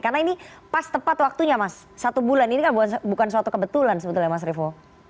karena ini pas tepat waktunya mas satu bulan ini kan bukan suatu kebetulan sebetulnya mas revo